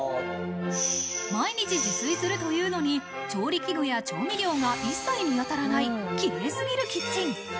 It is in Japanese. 毎日自炊するというのに調理器具や調味料が一切見当たらない綺麗すぎるキッチン。